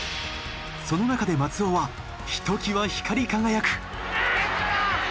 その中で松尾はひときわ光り輝く！